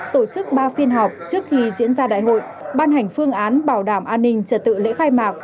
tổ chức ba phiên họp trước khi diễn ra đại hội ban hành phương án bảo đảm an ninh trật tự lễ khai mạc